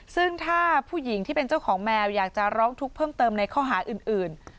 ซึ่งถ้าผู้หญิงที่เป็นเจ้าของแมวอยากจะร้องทุกข์เพิ่มเติมในข้อหาอื่น